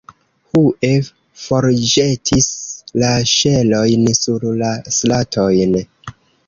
Hue forĵetis la ŝelojn sur la stratojn.